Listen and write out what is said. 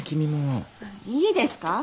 いいですか？